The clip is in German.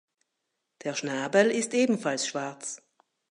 Der Schnabel ist ebenfalls schwarz.